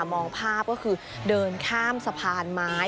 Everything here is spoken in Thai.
มองภาพก็คือเดินข้ามสะพานไม้